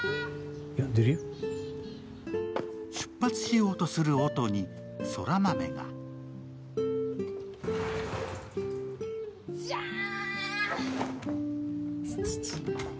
出発しようとする音に空豆がジャーン！